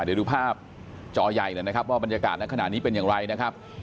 เดี๋ยวดูภาพจอใหญ่หน่อยนะครับว่าบรรยากาศในขณะนี้เป็นอย่างไรนะครับ